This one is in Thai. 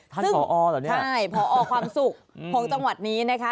ท่านพอตอนนี้หรอพอความสุขของจังหวัดนี้นะคะ